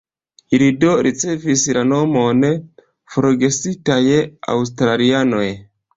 Ili do ricevis la nomon "Forgesitaj Aŭstralianoj".